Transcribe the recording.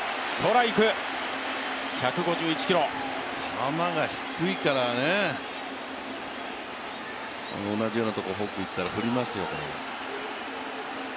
球が低いからね、同じようなところにフォークいったら振りますよ。